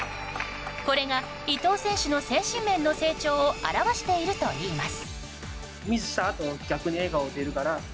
これが伊藤選手の精神面の成長を表しているといいます。